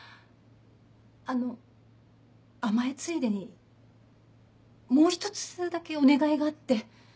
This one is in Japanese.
あの甘えついでにもう一つだけお願いがあって。